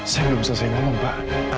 saya belum selesai ngomong pak